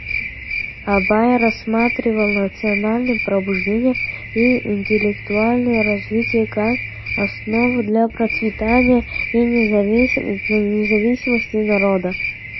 Абай рассматривал национальное пробуждение и интеллектуальное развитие как основу для процветания и независимости народа.